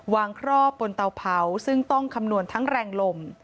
ครอบบนเตาเผาซึ่งต้องคำนวณทั้งแรงลม